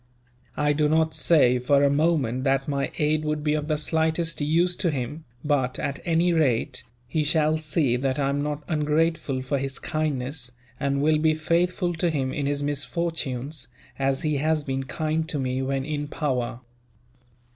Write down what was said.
I do not say, for a moment, that my aid would be of the slightest use to him but, at any rate, he shall see that I am not ungrateful for his kindness; and will be faithful to him in his misfortunes, as he has been kind to me, when in power."